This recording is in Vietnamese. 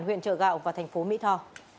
huyện trợ gạo và thành phố mỹ tho